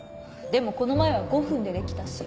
でもこの前は５分でできたし。